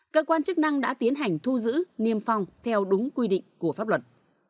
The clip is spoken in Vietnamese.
cơ quan chức năng đã tiến hành thu giữ niêm phong theo đúng quy định của pháp luật